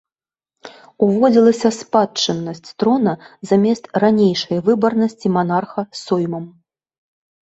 Уводзілася спадчыннасць трона замест ранейшай выбарнасці манарха соймам.